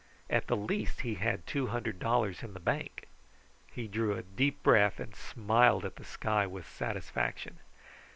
At the least he had two hundred dollars in the bank. He drew a deep breath and smiled at the sky with satisfaction.